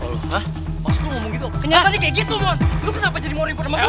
lu kenapa jadi moribund sama gue